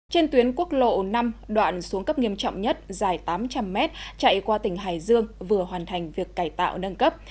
trên tuyến quốc lộ năm đoạn xuống cấp nghiêm trọng nhất dài tám trăm linh mét chạy qua tỉnh hải dương vừa hoàn thành việc cải tạo nâng cấp